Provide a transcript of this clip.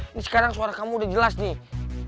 ini sekarang suara kamu udah jelas nih